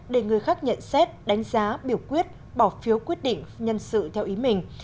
để người khác nhận xét đánh giá biểu quyết bỏ phiếu quyết định nhân sự theo ý mình